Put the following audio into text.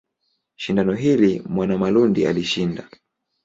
Shindano hili Mwanamalundi alishinda.